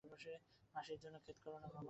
মাসির জন্যে খেদ কেন বাবা।